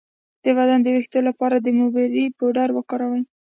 د بدن د ویښتو لپاره د موبری پوډر وکاروئ